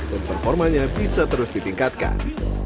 dan performanya bisa terus ditingkatkan